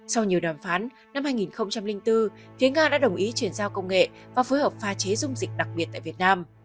sau nhiều đàm phán năm hai nghìn bốn phía nga đã đồng ý chuyển giao công nghệ và phối hợp pha chế dung dịch đặc biệt tại việt nam